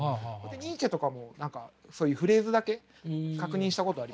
ニーチェとかも何かそういうフレーズだけ確認したことあります。